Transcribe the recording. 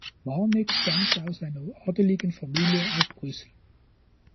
Marnix stammte aus einer adeligen Familie aus Brüssel.